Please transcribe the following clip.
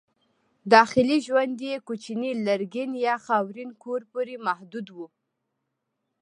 داخلي ژوند یې کوچني لرګین یا خاورین کور پورې محدود و.